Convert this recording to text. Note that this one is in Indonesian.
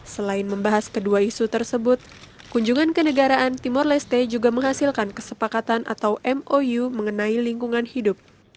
selain membahas kedua isu tersebut kunjungan ke negaraan timur leste juga menghasilkan kesepakatan atau mou mengenai lingkungan hidup